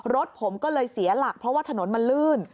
รถผมก็เลยเสียหลักเพราะว่าถนนมันลื่น